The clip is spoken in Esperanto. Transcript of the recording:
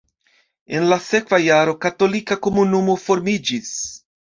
En la sekva jaro katolika komunumo formiĝis.